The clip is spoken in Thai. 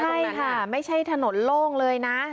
ใช่ค่ะไม่ใช่ถนนโล่งเลยนะ